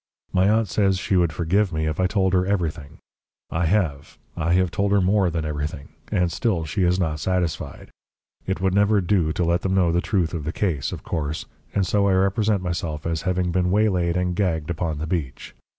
My aunt says she would forgive me if I told her everything. I have I have told her MORE than everything, and still she is not satisfied. It would never do to let them know the truth of the case, of course, and so I represent myself as having been waylaid and gagged upon the beach.